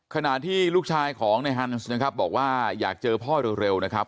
ขณะที่ลูกชายของในฮันส์นะครับบอกว่าอยากเจอพ่อเร็วนะครับ